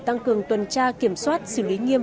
tăng cường tuần tra kiểm soát xử lý nghiêm